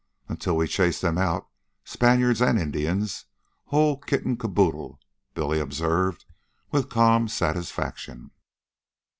"Until we chased them out, Spaniards an' Indians, whole kit an' caboodle," Billy observed with calm satisfaction.